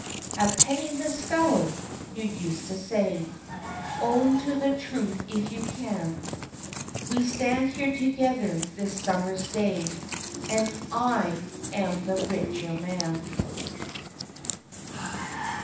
A penniless fellow! you used to say Own to the truth if you can We stand here together this summer's day, And I am the richer man.